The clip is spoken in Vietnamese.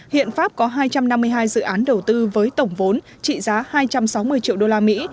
hiện pháp có hai trăm năm mươi hai dự án đầu tư với tổng vốn trị giá hai trăm sáu mươi triệu đô la mỹ